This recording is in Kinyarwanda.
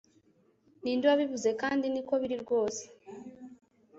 Ninde wabivuze kandi niko biri rwose